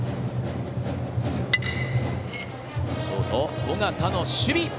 ショート緒方の守備。